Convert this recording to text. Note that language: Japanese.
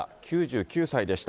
９９歳でした。